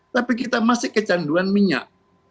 tapi kita masih kecanduan minyak